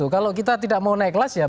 kalau kita tidak mau naik kelas ya